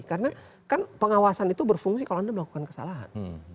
karena kan pengawasan itu berfungsi kalau anda melakukan kesalahan